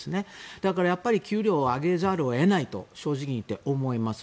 だから、給料を上げざるを得ないと正直に言って思います。